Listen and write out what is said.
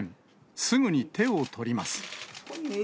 すぐに手を取ります。